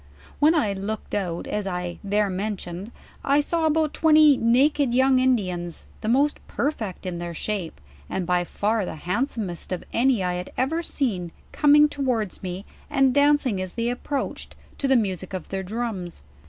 When I looked out, as I there mention ed, I saw about twenty naked young Indians, the most per fect in their shape, and by far the handsomest of any I had ever seen, coming towards rne, and dancing as they approach ed, to the music of their drums.